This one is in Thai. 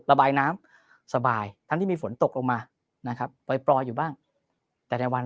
ระบายน้ำสบายทั้งที่มีฝนตกลงมานะครับปล่อยอยู่บ้างแต่ในวัน